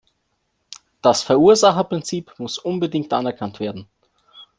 Das Verursacherprinzip muss unbedingt anerkannt werden.